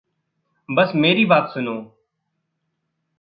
बस मेरी बात सुनो।